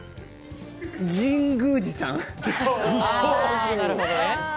神宮寺さん？